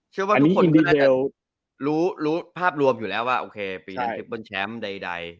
เชื่อว่าทุกคนนี่มันจะรู้ภาพโรยแพร่แล้วว่าปีนั้นแชมพ์ใด